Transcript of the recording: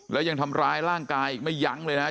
แล้วยังทำร้ายร่างกายอีกไม่ยั้งเลยนะครับ